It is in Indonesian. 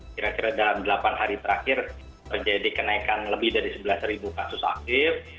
kira kira dalam delapan hari terakhir terjadi kenaikan lebih dari sebelas kasus aktif